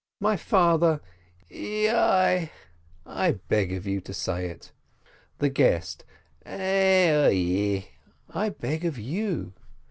My father: "E o i !" ("I beg of you to say it!") The guest: "Ai o e!" ("I beg of you!")